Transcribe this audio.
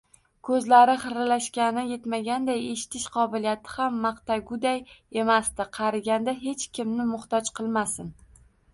Ko‘zlari xiralashgani yetmaganday eshitish qobiliyati ham maqtaguday emasdi. Qariganda hech kimga muhtoj qilmasin.